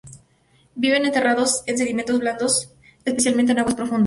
Viven enterrados en sedimentos blandos, especialmente en aguas profundas.